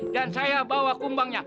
dan saya bawa kembangnya